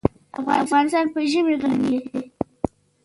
افغانستان په ژمی غني دی.